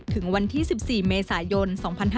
ถึงวันที่๑๔เมษายน๒๕๕๙